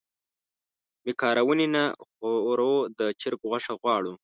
مېکاروني نه خورو د چرګ غوښه غواړو.